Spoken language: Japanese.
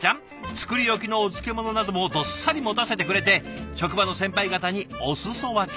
作り置きのお漬物などもどっさり持たせてくれて職場の先輩方にお裾分け。